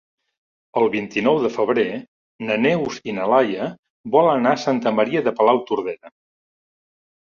El vint-i-nou de febrer na Neus i na Laia volen anar a Santa Maria de Palautordera.